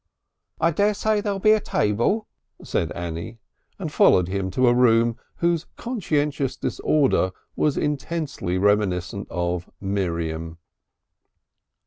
"I daresay there'll be a table," said Annie, and followed him up to a room whose conscientious disorder was intensely reminiscent of Miriam.